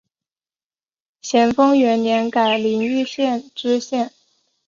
咸丰元年改临榆县知县。